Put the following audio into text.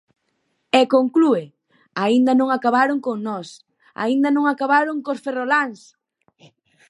E conclúe: aínda non acabaron con nós, aínda non acabaron cos ferroláns.